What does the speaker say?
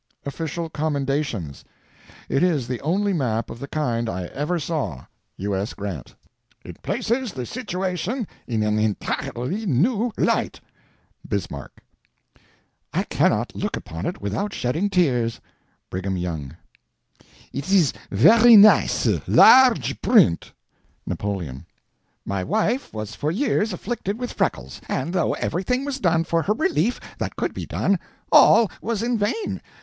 OFFICIAL COMMENDATIONS. It is the only map of the kind I ever saw. U. S. GRANT. ____ It places the situation in an entirely new light. BISMARCK. I cannot look upon it without shedding tears. BRIGHAM YOUNG. It is very nice, large print. NAPOLEON. My wife was for years afflicted with freckles, and though everything was done for her relief that could be done, all was in vain.